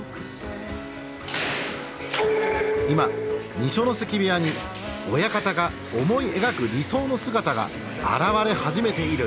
今二所ノ関部屋に親方が思い描く理想の姿が現れ始めている。